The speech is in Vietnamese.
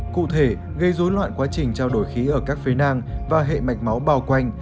cụ thể gây dối loạn quá trình trao đổi khí ở các phế nang và hệ mạch máu bao quanh